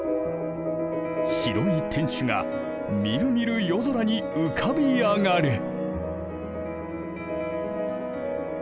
白い天守がみるみる夜空に浮かび上がる。